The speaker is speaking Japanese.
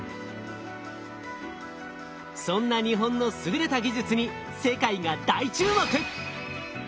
そんな日本の優れた技術に世界が大注目！